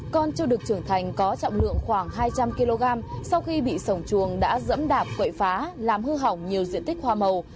con chưa được trưởng thành có trọng lượng khoảng hai trăm linh kg sau khi bị sổng chuồng đã dẫm đạp quậy phá làm hư hỏng nhiều diện tích hoa màu